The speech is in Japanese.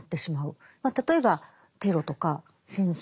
例えばテロとか戦争